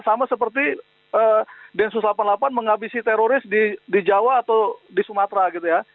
sama seperti densus delapan puluh delapan menghabisi teroris di jawa atau di sumatera gitu ya